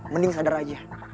mending sadar aja